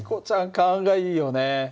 勘がいいよね。